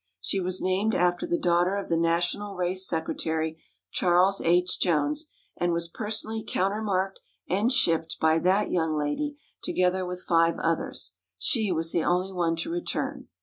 She was named after the daughter of the National Race Secretary, Charles H. Jones, and was personally countermarked and shipped by that young lady, together with five others. She was the only one to return.